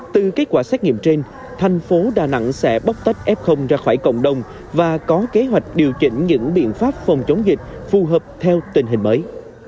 từ kết quả xét nghiệm trên thành phố đà nẵng sẽ bóc tách f ra khỏi cộng đồng và có kế hoạch điều chỉnh những biện pháp phòng chống dịch phù hợp theo tình hình mới